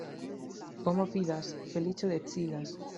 Homo fidas, feliĉo decidas.